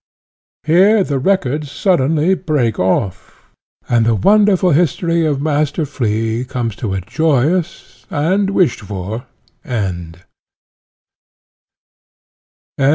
Here the records suddenly break off, and the wonderful history of Master Flea comes to a joyous and wished for end.